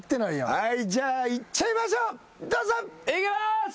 はいじゃあいっちゃいましょうどうぞ！いきます！